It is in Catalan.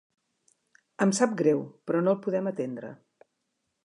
Em sap greu, però no el podem atendre.